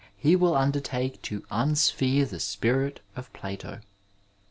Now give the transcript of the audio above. he will undertake to unsphere the spirit of Plato.